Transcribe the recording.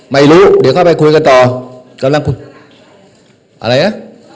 ไม่รู้เดี๋ยวเข้าไปคุยกันต่อกำลังคุยอะไรนะ